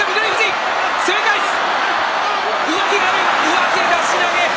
上手出し投げ。